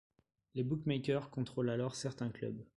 Les bookmakers contrôlent alors certains clubs.